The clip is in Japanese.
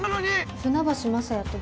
船橋雅矢って誰？